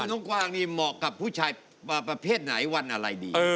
น้องกวางนี่เหมาะกับผู้ชายประเภทไหนวันอะไรดี